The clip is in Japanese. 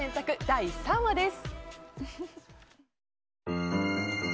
第３話です。